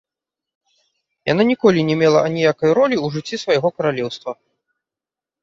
Яна ніколі не мела аніякай ролі ў жыцці свайго каралеўства.